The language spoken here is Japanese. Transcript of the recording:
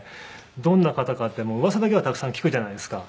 どんな方かってうわさだけはたくさん聞くじゃないですか。